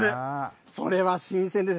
それは新鮮です。